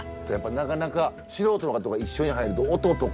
なかなか素人が一緒に入ると音とか。